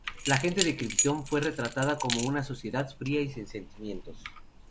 La gente de Kryptón fue retratada como una sociedad fría y sin sentimientos.